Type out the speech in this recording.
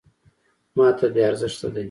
.ماته بې ارزښته دی .